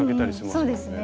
そうですね。